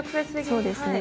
そうですね。